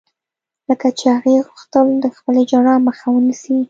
لکه چې هغې غوښتل د خپلې ژړا مخه ونيسي.